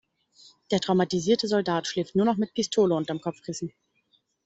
Der traumatisierte Soldat schläft nur noch mit Pistole unterm Kopfkissen.